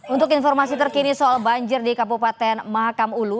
untuk informasi terkini soal banjir di kabupaten mahakam ulu